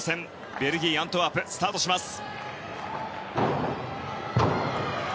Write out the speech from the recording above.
ベルギー・アントワープスタートしました。